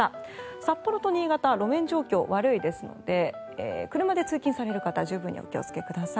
札幌と新潟路面状況が悪いですので車で通勤される方十分にお気をつけください。